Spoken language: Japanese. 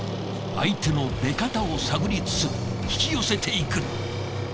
相手の出方を探りつつ引き寄せていく。